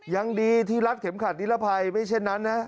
ยังดีที่รัดเข็มขัดนิรภัยไม่เช่นนั้นนะ